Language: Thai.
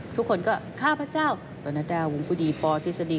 ทุกคนก็ข้าพเจ้าวันดาววงภูดีปอทฤษฎี